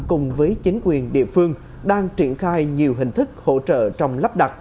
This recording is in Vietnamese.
cùng với chính quyền địa phương đang triển khai nhiều hình thức hỗ trợ trong lắp đặt